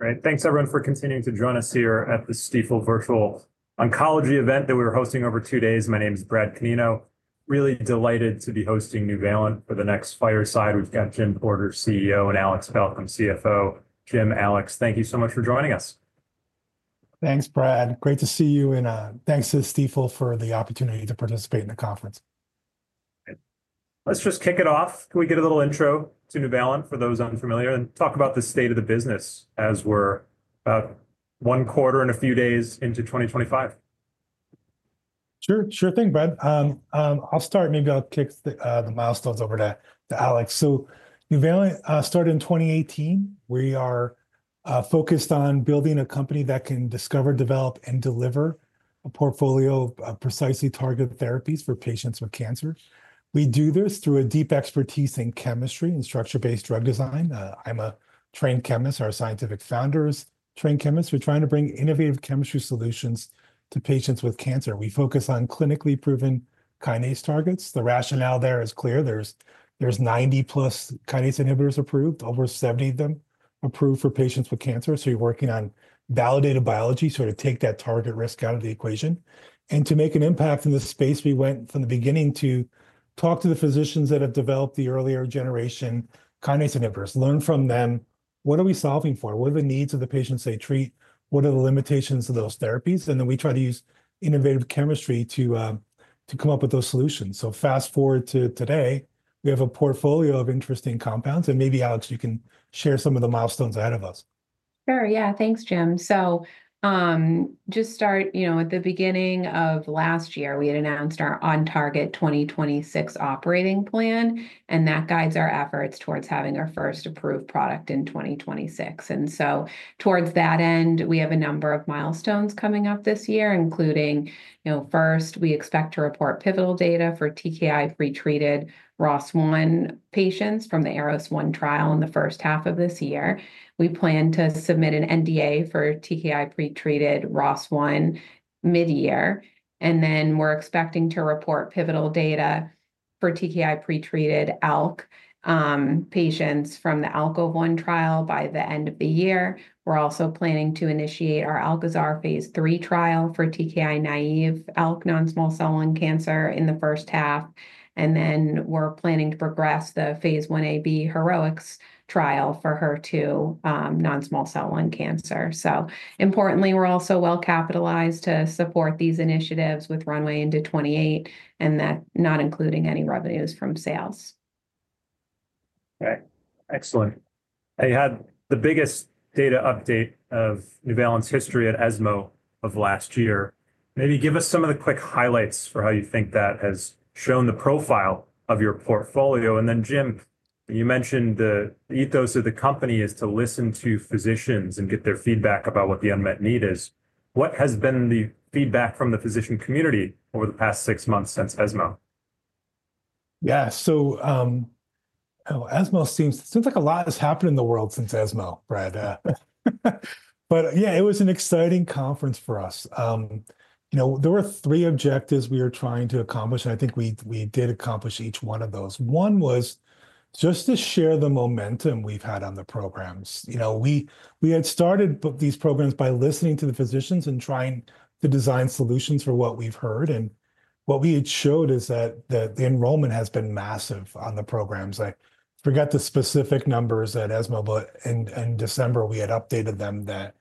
All right, thanks everyone for continuing to join us here at the Stifel Virtual Oncology event that we were hosting over two days. My name is Brad Canino. Really delighted to be hosting Nuvalent for the next fireside. We've got Jim Porter, CEO, and Alex Balcom, CFO. Jim, Alex, thank you so much for joining us. Thanks, Brad. Great to see you, and thanks to Stifel for the opportunity to participate in the conference. Let's just kick it off. Can we get a little intro to Nuvalent for those unfamiliar and talk about the state of the business as we're about one quarter and a few days into 2025? Sure, sure thing, Brad. I'll start. Maybe I'll kick the milestones over to Alex. Nuvalent started in 2018. We are focused on building a company that can discover, develop, and deliver a portfolio of precisely targeted therapies for patients with cancer. We do this through a deep expertise in chemistry and structure-based drug design. I'm a trained chemist. Our scientific founder is a trained chemist. We're trying to bring innovative chemistry solutions to patients with cancer. We focus on clinically proven kinase targets. The rationale there is clear. There are 90+ kinase inhibitors approved, over 70 of them approved for patients with cancer. You're working on validated biology to sort of take that target risk out of the equation and to make an impact in the space. We went from the beginning to talk to the physicians that have developed the earlier generation kinase inhibitors, learn from them, what are we solving for, what are the needs of the patients they treat, what are the limitations of those therapies, and then we try to use innovative chemistry to come up with those solutions. Fast forward to today, we have a portfolio of interesting compounds. Maybe, Alex, you can share some of the milestones ahead of us. Sure. Yeah, thanks, Jim. To start, you know, at the beginning of last year, we had announced our OnTarget 2026 operating plan, and that guides our efforts towards having our first approved product in 2026. Towards that end, we have a number of milestones coming up this year, including, you know, first, we expect to report pivotal data for TKI-pretreated ROS1 patients from the ARROS-1 trial in the first half of this year. We plan to submit an NDA for TKI-pretreated ROS1 mid-year, and then we're expecting to report pivotal data for TKI-pretreated ALK patients from the ALKOVE-1 trial by the end of the year. We're also planning to initiate our ALKAZAR phase III trial for TKI-naïve ALK non-small cell lung cancer in the first half. We are planning to progress the phase I-A/1-B HEROEX trial for HER2 non-small cell lung cancer. Importantly, we are also well capitalized to support these initiatives with runway into 2028, and that is not including any revenues from sales. All right, excellent. I had the biggest data update of Nuvalent's history at ESMO of last year. Maybe give us some of the quick highlights for how you think that has shown the profile of your portfolio. Jim, you mentioned the ethos of the company is to listen to physicians and get their feedback about what the unmet need is. What has been the feedback from the physician community over the past six months since ESMO? Yeah, so ESMO seems like a lot has happened in the world since ESMO, Brad. Yeah, it was an exciting conference for us. You know, there were three objectives we were trying to accomplish, and I think we did accomplish each one of those. One was just to share the momentum we've had on the programs. You know, we had started these programs by listening to the physicians and trying to design solutions for what we've heard. What we had showed is that the enrollment has been massive on the programs. I forgot the specific numbers at ESMO, but in December, we had updated them that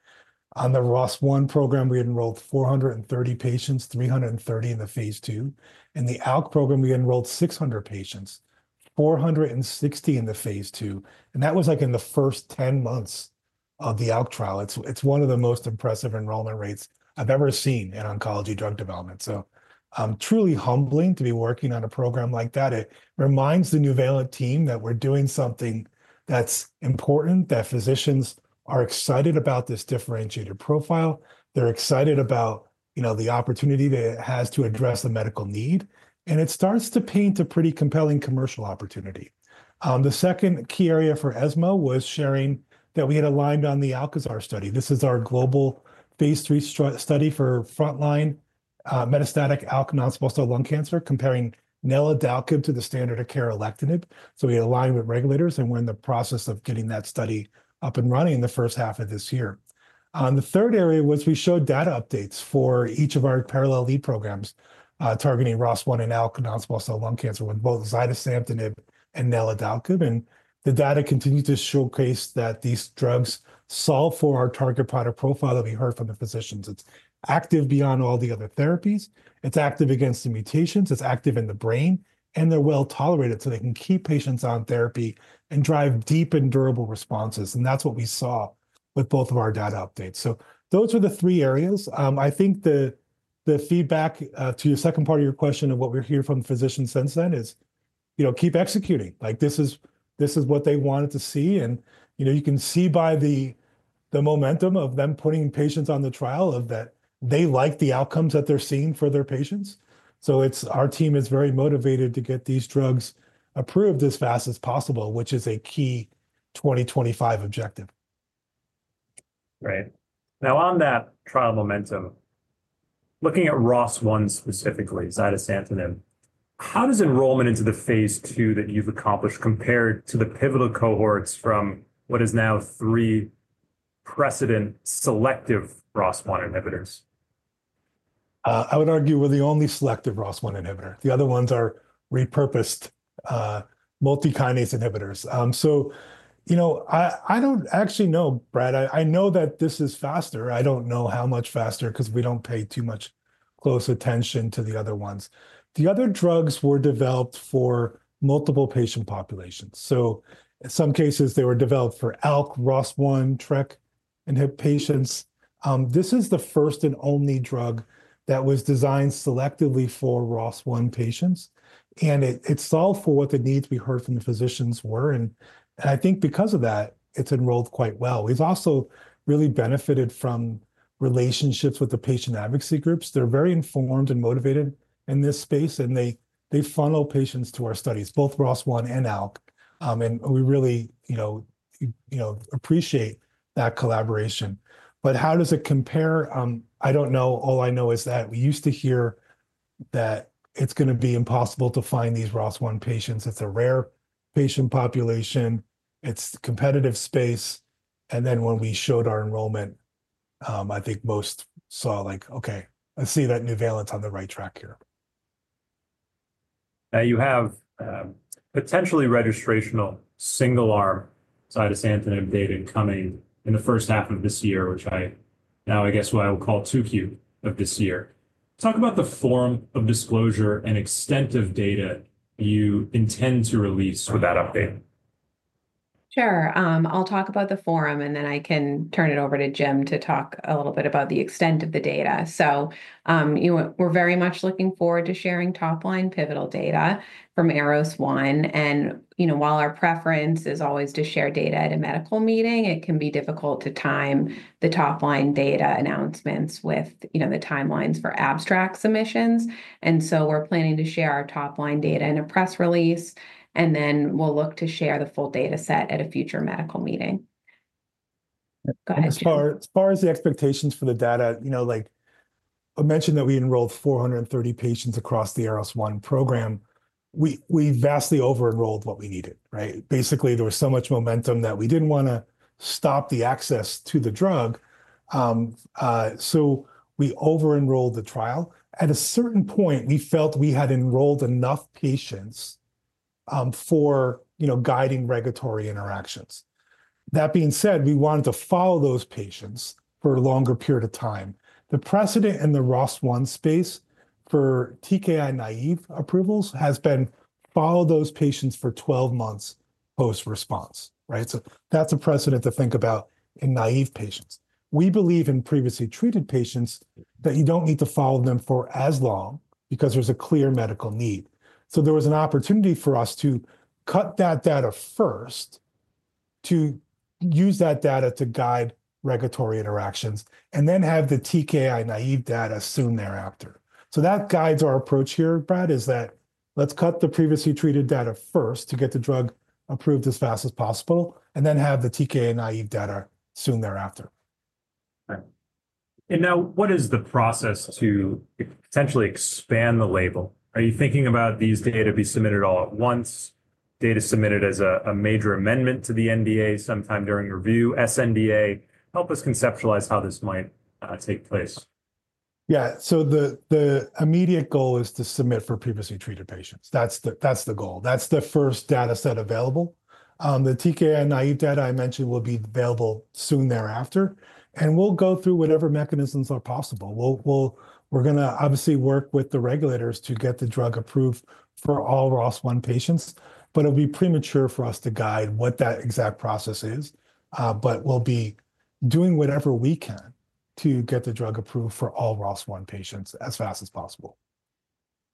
on the ROS1 program, we enrolled 430 patients, 330 in the phase II. In the ALK program, we enrolled 600 patients, 460 in the phase II. That was like in the first 10 months of the ALK trial. It's one of the most impressive enrollment rates I've ever seen in oncology drug development. Truly humbling to be working on a program like that. It reminds the Nuvalent team that we're doing something that's important, that physicians are excited about this differentiated profile. They're excited about, you know, the opportunity that it has to address the medical need. It starts to paint a pretty compelling commercial opportunity. The second key area for ESMO was sharing that we had aligned on the ALKAZAR study. This is our global phase III study for frontline metastatic ALK non-small cell lung cancer, comparing neladalkib to the standard of care alectinib. We aligned with regulators and we're in the process of getting that study up and running in the first half of this year. The third area was we showed data updates for each of our parallel lead programs targeting ROS1 and ALK non-small cell lung cancer with both zidesamtinib and neladalkib. The data continues to showcase that these drugs solve for our target product profile that we heard from the physicians. It's active beyond all the other therapies. It's active against the mutations. It's active in the brain, and they're well tolerated. They can keep patients on therapy and drive deep and durable responses. That is what we saw with both of our data updates. Those were the three areas. I think the feedback to your second part of your question of what we're hearing from physicians since then is, you know, keep executing. Like, this is what they wanted to see. You know, you can see by the momentum of them putting patients on the trial that they like the outcomes that they're seeing for their patients. Our team is very motivated to get these drugs approved as fast as possible, which is a key 2025 objective. Right. Now, on that trial momentum, looking at ROS1 specifically, zidesamtinib, how does enrollment into the phase two that you've accomplished compare to the pivotal cohorts from what is now three precedent selective ROS1 inhibitors? I would argue we're the only selective ROS1 inhibitor. The other ones are repurposed multi-kinase inhibitors. You know, I don't actually know, Brad. I know that this is faster. I don't know how much faster because we don't pay too much close attention to the other ones. The other drugs were developed for multiple patient populations. In some cases, they were developed for ALK, ROS1, TREK inhib patients. This is the first and only drug that was designed selectively for ROS1 patients. It solved for what the needs we heard from the physicians were. I think because of that, it's enrolled quite well. We've also really benefited from relationships with the patient advocacy groups. They're very informed and motivated in this space, and they funnel patients to our studies, both ROS1 and ALK. We really, you know, appreciate that collaboration. How does it compare? I don't know. All I know is that we used to hear that it's going to be impossible to find these ROS1 patients. It's a rare patient population. It's competitive space. When we showed our enrollment, I think most saw like, okay, I see that Nuvalent's on the right track here. Now, you have potentially registrational single-arm zidesamtinib data coming in the first half of this year, which I now, I guess, what I will call 2Q of this year. Talk about the form of disclosure and extent of data you intend to release with that update. Sure. I'll talk about the forum, and then I can turn it over to Jim to talk a little bit about the extent of the data. We're very much looking forward to sharing top-line pivotal data from ARROS-1. You know, while our preference is always to share data at a medical meeting, it can be difficult to time the top-line data announcements with, you know, the timelines for abstract submissions. We're planning to share our top-line data in a press release, and then we'll look to share the full data set at a future medical meeting. As far as the expectations for the data, you know, like I mentioned that we enrolled 430 patients across the ARROS-1 program. We vastly over-enrolled what we needed, right? Basically, there was so much momentum that we didn't want to stop the access to the drug. So we over-enrolled the trial. At a certain point, we felt we had enrolled enough patients for, you know, guiding regulatory interactions. That being said, we wanted to follow those patients for a longer period of time. The precedent in the ROS1 space for TKI-naïve approvals has been follow those patients for 12 months post-response, right? So that's a precedent to think about in naïve patients. We believe in previously treated patients that you don't need to follow them for as long because there's a clear medical need. There was an opportunity for us to cut that data first, to use that data to guide regulatory interactions, and then have the TKI-naïve data soon thereafter. That guides our approach here, Brad, that let's cut the previously treated data first to get the drug approved as fast as possible, and then have the TKI-naïve data soon thereafter. What is the process to potentially expand the label? Are you thinking about these data being submitted all at once, data submitted as a major amendment to the NDA sometime during review, SNDA? Help us conceptualize how this might take place. Yeah, the immediate goal is to submit for previously treated patients. That's the goal. That's the first data set available. The TKI-naïve data I mentioned will be available soon thereafter. We will go through whatever mechanisms are possible. We're going to obviously work with the regulators to get the drug approved for all ROS1 patients, but it would be premature for us to guide what that exact process is. We will be doing whatever we can to get the drug approved for all ROS1 patients as fast as possible.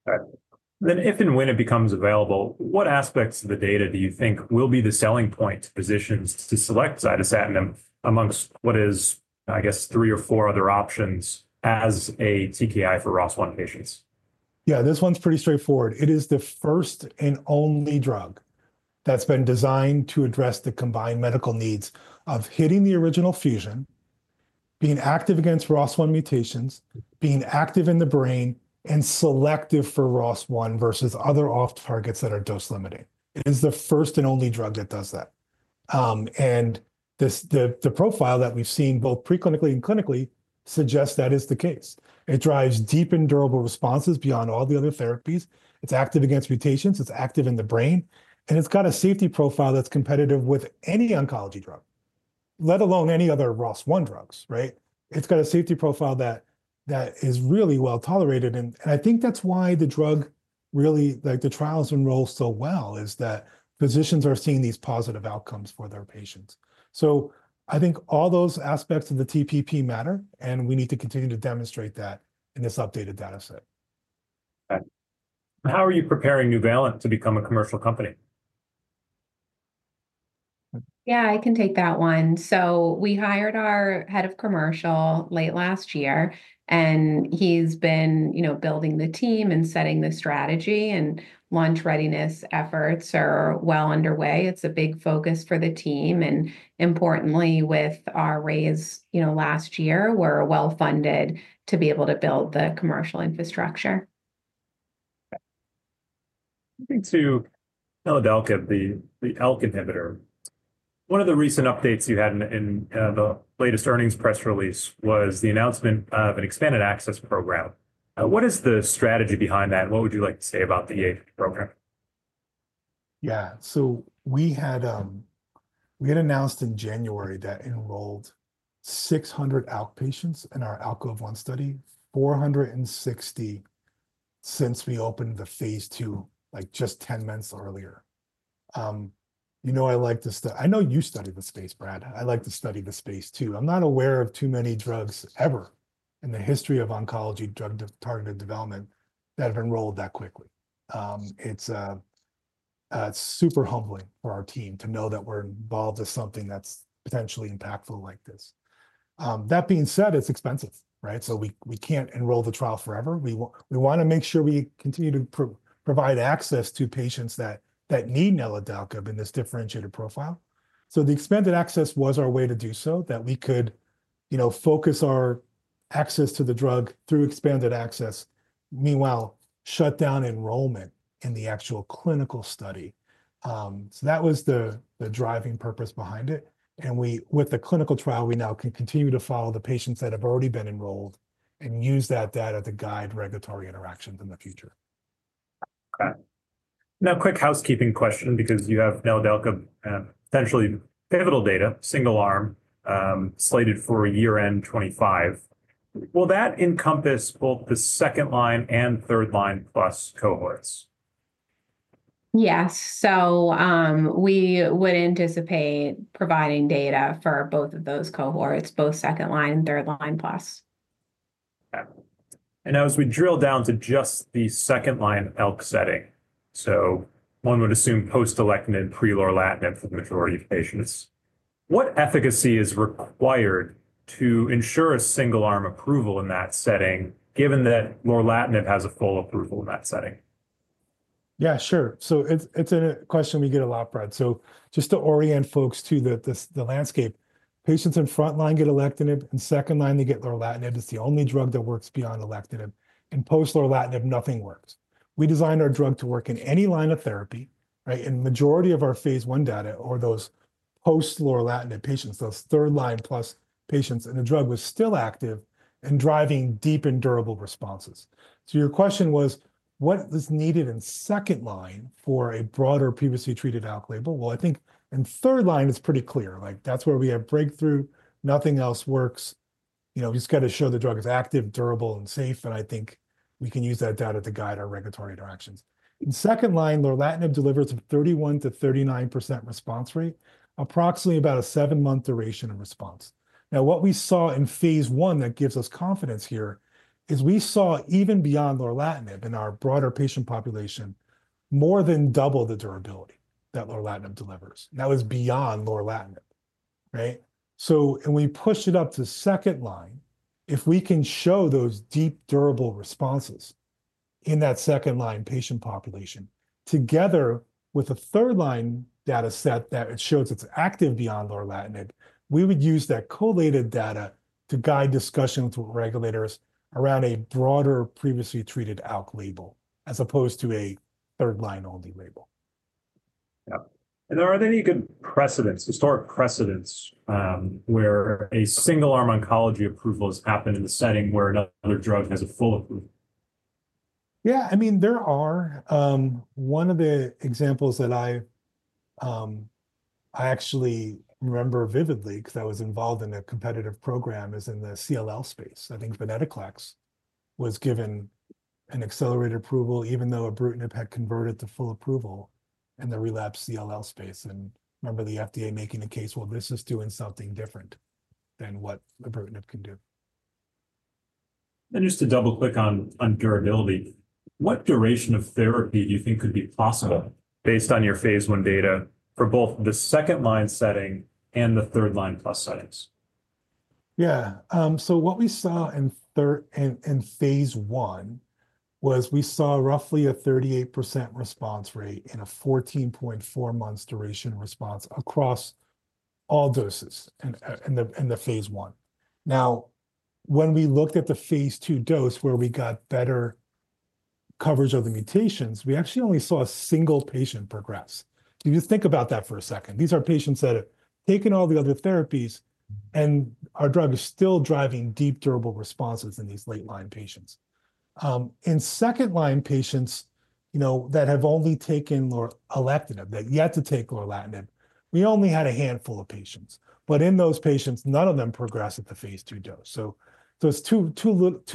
All right. If and when it becomes available, what aspects of the data do you think will be the selling point to physicians to select zidesamtinib amongst what is, I guess, three or four other options as a TKI for ROS1 patients? Yeah, this one's pretty straightforward. It is the first and only drug that's been designed to address the combined medical needs of hitting the original fusion, being active against ROS1 mutations, being active in the brain, and selective for ROS1 versus other off-targets that are dose-limiting. It is the first and only drug that does that. The profile that we've seen both preclinically and clinically suggests that is the case. It drives deep and durable responses beyond all the other therapies. It's active against mutations. It's active in the brain. It's got a safety profile that's competitive with any oncology drug, let alone any other ROS1 drugs, right? It's got a safety profile that is really well tolerated. I think that's why the drug really, like the trials enroll so well, is that physicians are seeing these positive outcomes for their patients. I think all those aspects of the TPP matter, and we need to continue to demonstrate that in this updated data set. How are you preparing Nuvalent to become a commercial company? Yeah, I can take that one. We hired our head of commercial late last year, and he's been, you know, building the team and setting the strategy. Launch readiness efforts are well underway. It's a big focus for the team. Importantly, with our raise, you know, last year, we're well funded to be able to build the commercial infrastructure. Okay. Moving to Nuvalent and the ALK inhibitor. One of the recent updates you had in the latest earnings press release was the announcement of an expanded access program. What is the strategy behind that? What would you like to say about the program? Yeah, so we had announced in January that we enrolled 600 ALK patients in our ALKOVE-1 study, 460 since we opened the phase II, like just 10 months earlier. You know, I like to study—I know you study the space, Brad. I like to study the space too. I'm not aware of too many drugs ever in the history of oncology drug-targeted development that have enrolled that quickly. It's super humbling for our team to know that we're involved in something that's potentially impactful like this. That being said, it's expensive, right? We can't enroll the trial forever. We want to make sure we continue to provide access to patients that need neladalkib in this differentiated profile. The expanded access was our way to do so, that we could, you know, focus our access to the drug through expanded access, meanwhile shut down enrollment in the actual clinical study. That was the driving purpose behind it. With the clinical trial, we now can continue to follow the patients that have already been enrolled and use that data to guide regulatory interactions in the future. Okay. Now, quick housekeeping question, because you have neladalkib, essentially pivotal data, single-arm, slated for year-end 2025. Will that encompass both the second-line and third-line plus cohorts? Yes. We would anticipate providing data for both of those cohorts, both second-line and third-line plus. Okay. Now, as we drill down to just the second-line ALK setting, one would assume post-alectinib, pre-lorlatinib for the majority of patients, what efficacy is required to ensure a single-arm approval in that setting, given that lorlatinib has a full approval in that setting? Yeah, sure. It's a question we get a lot, Brad. Just to orient folks to the landscape, patients in frontline get alectinib, in second line, they get lorlatinib. It's the only drug that works beyond alectinib. In post-lorlatinib, nothing works. We designed our drug to work in any line of therapy, right? The majority of our phase one data are those post-lorlatinib patients, those third-line plus patients, and the drug was still active and driving deep and durable responses. Your question was, what is needed in second line for a broader previously treated ALK label? I think in third line, it's pretty clear. That's where we have breakthrough. Nothing else works. You know, we just got to show the drug is active, durable, and safe. I think we can use that data to guide our regulatory interactions. In second line, lorlatinib delivers a 31%-39% response rate, approximately about a seven-month duration of response. Now, what we saw in phase I that gives us confidence here is we saw even beyond lorlatinib in our broader patient population, more than double the durability that lorlatinib delivers. That was beyond lorlatinib, right? When we push it up to second line, if we can show those deep, durable responses in that second-line patient population, together with a third-line data set that shows it's active beyond lorlatinib, we would use that collated data to guide discussions with regulators around a broader previously treated ALK label as opposed to a third-line only label. Yeah. Are there any good precedents, historic precedents, where a single-arm oncology approval has happened in the setting where another drug has a full approval? Yeah, I mean, there are. One of the examples that I actually remember vividly because I was involved in a competitive program is in the CLL space. I think venetoclax was given an accelerated approval, even though ibrutinib had converted to full approval in the relapsed CLL space. I remember the FDA making a case, well, this is doing something different than what ibrutinib can do. Just to double-click on durability, what duration of therapy do you think could be possible based on your phase one data for both the second-line setting and the third-line plus settings? Yeah. So what we saw in phase one was we saw roughly a 38% response rate in a 14.4 months duration response across all doses in the phase one. Now, when we looked at the phase II dose, where we got better coverage of the mutations, we actually only saw a single patient progress. If you think about that for a second, these are patients that have taken all the other therapies, and our drug is still driving deep, durable responses in these late-line patients. In second-line patients, you know, that have only taken lorlatinib, that yet to take lorlatinib, we only had a handful of patients. But in those patients, none of them progressed at the phase II dose. So it's too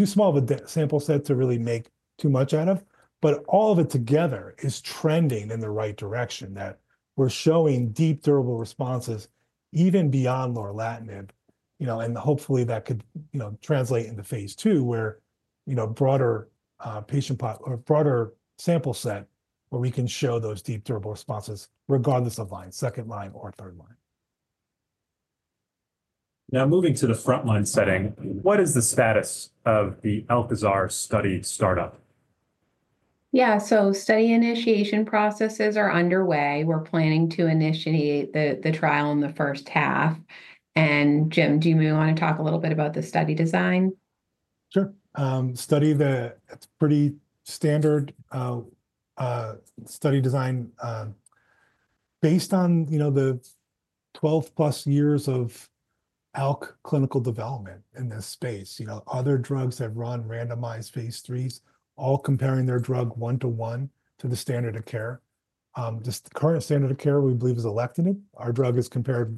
small of a sample set to really make too much out of. All of it together is trending in the right direction that we're showing deep, durable responses even beyond lorlatinib. You know, and hopefully that could, you know, translate into phase II, where, you know, broader sample set where we can show those deep, durable responses regardless of line, second line or third line. Now, moving to the front-line setting, what is the status of the ALKAZAR study startup? Yeah, study initiation processes are underway. We're planning to initiate the trial in the first half. Jim, do you want to talk a little bit about the study design? Sure. Study that it's pretty standard study design based on, you know, the 12+ years of ALK clinical development in this space. You know, other drugs have run randomized phase IIIs, all comparing their drug one-to-one to the standard of care. The current standard of care, we believe, is alectinib. Our drug is compared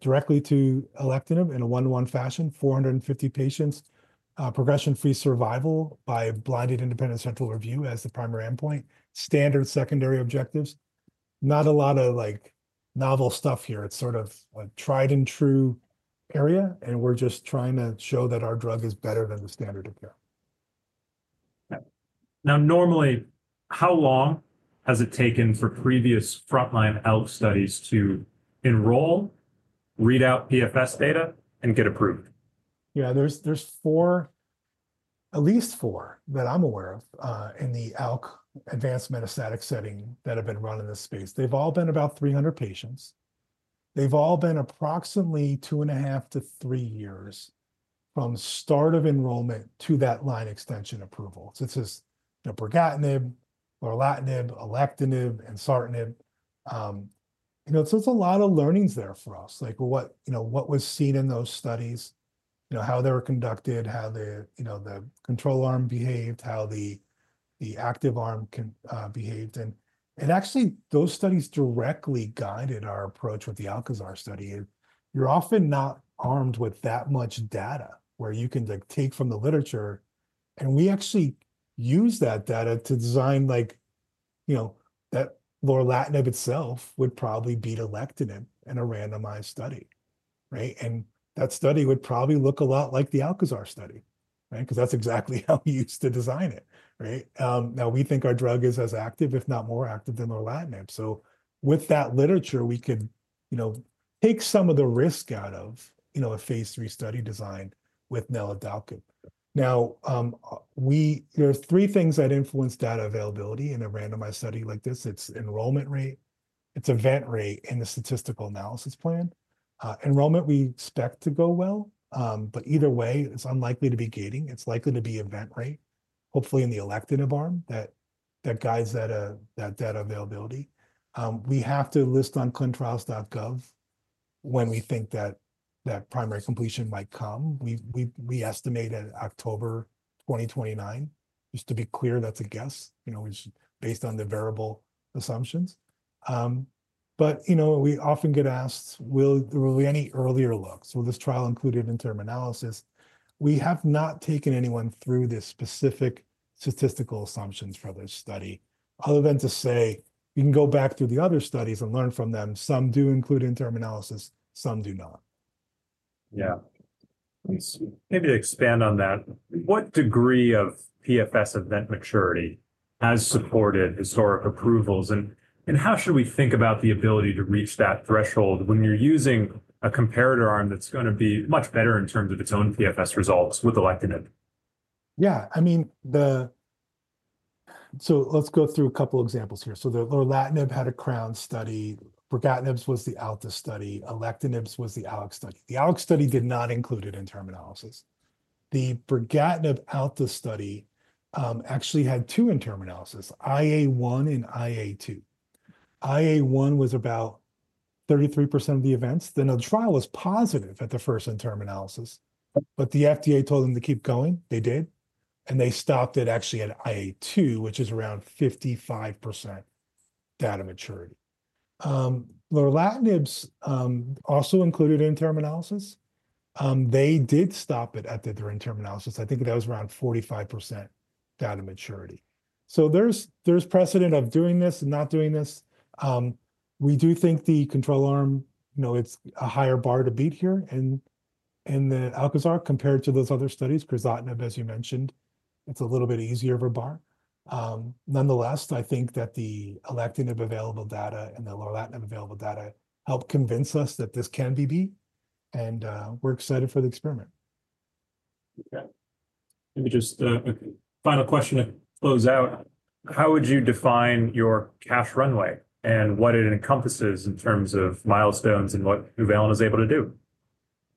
directly to alectinib in a one-to-one fashion, 450 patients, progression-free survival by blinded independent central review as the primary endpoint, standard secondary objectives. Not a lot of like novel stuff here. It's sort of a tried and true area, and we're just trying to show that our drug is better than the standard of care. Now, normally, how long has it taken for previous front-line ALK studies to enroll, read out PFS data, and get approved? Yeah, there's four, at least four that I'm aware of in the ALK advanced metastatic setting that have been run in this space. They've all been about 300 patients. They've all been approximately two and a half to three years from start of enrollment to that line extension approval. This is, you know, brigatinib, lorlatinib, alectinib, and ensartinib. You know, there's a lot of learnings there for us, like what, you know, what was seen in those studies, you know, how they were conducted, how the, you know, the control arm behaved, how the active arm behaved. Actually, those studies directly guided our approach with the ALKAZAR study. You're often not armed with that much data where you can take from the literature. We actually use that data to design, like, you know, that lorlatinib itself would probably beat alectinib in a randomized study, right? That study would probably look a lot like the ALKAZAR study, right? Because that's exactly how we used to design it, right? Now, we think our drug is as active, if not more active than lorlatinib. With that literature, we could, you know, take some of the risk out of, you know, a phase three study design with neladalkib. There are three things that influence data availability in a randomized study like this. It's enrollment rate, it's event rate in the statistical analysis plan. Enrollment, we expect to go well. Either way, it's unlikely to be gating; it's likely to be event rate, hopefully in the alectinib arm, that guides that data availability. We have to list on clinicaltrials.gov when we think that that primary completion might come. We estimate in October 2029. Just to be clear, that's a guess, you know, based on the variable assumptions. You know, we often get asked, will there be any earlier looks? Will this trial include an interim analysis? We have not taken anyone through the specific statistical assumptions for this study, other than to say, you can go back through the other studies and learn from them. Some do include an interim analysis, some do not. Yeah. Maybe to expand on that, what degree of PFS event maturity has supported historic approvals? How should we think about the ability to reach that threshold when you're using a comparator arm that's going to be much better in terms of its own PFS results with alectinib? Yeah, I mean, the—so let's go through a couple of examples here. lorlatinib had a CROWN study, brigatinib was the ALTA study, alectinib was the ALEX study. The ALEX study did not include an interim analysis. The brigatinib ALTA study actually had two interim analyses, IA1 and IA2. IA1 was about 33% of the events. The trial was positive at the first interim analysis. The FDA told them to keep going. They did, and they stopped it actually at IA2, which is around 55% data maturity. Lorlatinib also included an interim analysis. They did stop it at the interim analysis. I think that was around 45% data maturity. There is precedent of doing this and not doing this. We do think the control arm, you know, it's a higher bar to beat here in the ALKAZAR compared to those other studies. Crizotinib, as you mentioned, it's a little bit easier of a bar. Nonetheless, I think that the alectinib available data and the lorlatinib available data help convince us that this can be beat. We're excited for the experiment. Okay. Maybe just a final question to close out. How would you define your cash runway and what it encompasses in terms of milestones and what Nuvalent is able to do?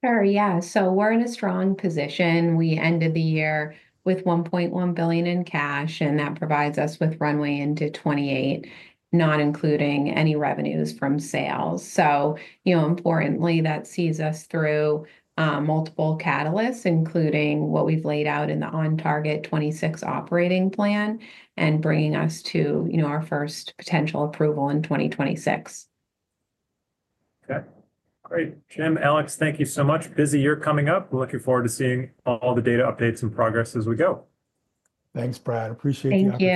Sure. Yeah. We're in a strong position. We ended the year with $1.1 billion in cash, and that provides us with runway into 2028, not including any revenues from sales. You know, importantly, that sees us through multiple catalysts, including what we've laid out in the OnTarget 2026 operating plan and bringing us to, you know, our first potential approval in 2026. Okay. Great. Jim, Alex, thank you so much. Busy year coming up. Looking forward to seeing all the data updates and progress as we go. Thanks, Brad. Appreciate you.